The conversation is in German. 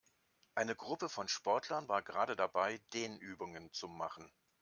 Eine Gruppe von Sportlern war gerade dabei, Dehnübungen zu machen.